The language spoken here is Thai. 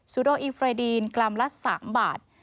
ซูโดอีเฟรดีนกลำละ๓บาท